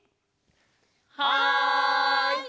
はい！